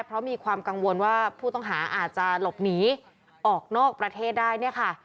เพราะมีความกังวลว่าผู้ต้องหาอาจจะหลบหนีออกนอกประเทศได้เนี่ยค่ะ